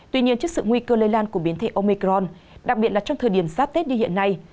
tuy nhiên trước sự nguy cơ lây lan của biến thể omecron đặc biệt là trong thời điểm sát tết như hiện nay